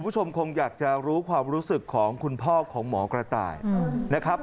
คุณผู้ชมคงอยากจะรู้ความรู้สึกของคุณพ่อของหมอกระต่ายนะครับ